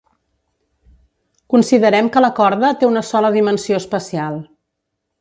Considerem que la corda té una sola dimensió espacial.